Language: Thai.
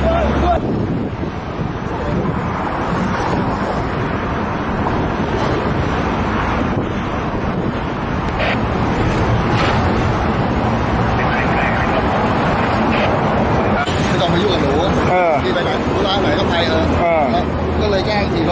ช่วยได้แล้วครับช่วยช่วยขึ้นเรือมาแล้วครับ